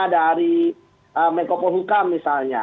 dari mekopo hukam misalnya